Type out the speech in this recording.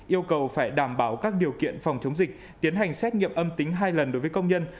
yêu cầu phải đảm bảo các điều kiện phòng chống dịch tiến hành xét nghiệm âm tính hai lần đối với công nhân